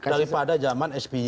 daripada zaman spj